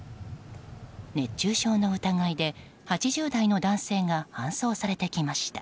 熱中症の疑いで８０代の男性が搬送されてきました。